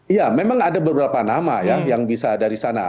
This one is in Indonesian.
iya memang ada beberapa nama ya yang bisa dari sana